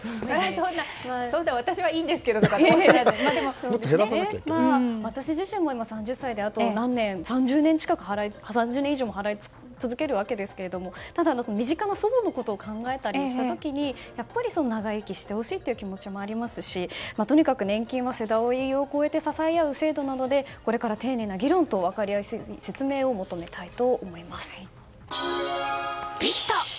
そんな、私はいいんですけどと私自身も３０歳であと３０年以上も払い続けるわけですがただ身近な祖母のことを考えたりした時にやっぱり、長生きしてほしいという気持ちもありますしとにかく年金は世代を超えて支え合う制度なのでこれから丁寧な議論と分かりやすい説明を求めたいと思います。